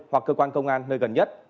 hoặc cơ quan công an nơi gần nhất